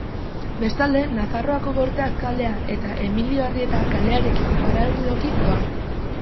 Bestalde, Nafarroako Gorteak kalea eta Emilio Arrieta kalearekiko paraleloki doa.